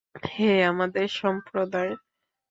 হে আমাদের সম্প্রদায়!